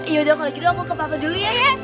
yaudah kalau gitu aku ke bapak dulu ya